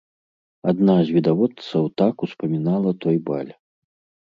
Адна з відавочцаў так успамінала той баль.